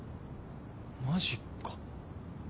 マジか。